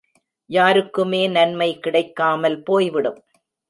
யாருக்குமே நன்மை கிடைக்காமல் போய்விடும்.